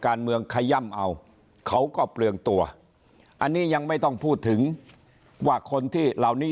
การเมืองขย่ำเอาเขาก็เปลืองตัวอันนี้ยังไม่ต้องพูดถึงว่าคนที่เหล่านี้